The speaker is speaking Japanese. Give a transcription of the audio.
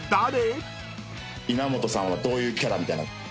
稲本さんはどういうキャラみたいな。